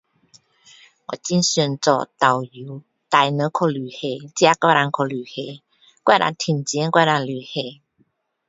我很想做导游带人去旅行自己还能去旅行还能赚钱还能旅行